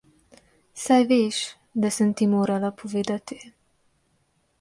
Saj veš, da sem ti morala povedati.